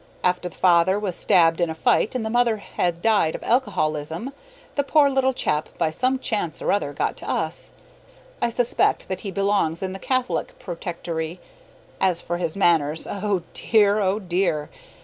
After the father was stabbed in a fight and the mother had died of alcoholism, the poor little chap by some chance or other got to us. I suspect that he belongs in the Catholic Protectory. As for his manners oh dear! oh dear!